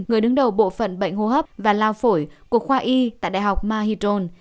người đứng đầu bộ phận bệnh hô hấp và lao phổi của khoa y tại đại học mahiton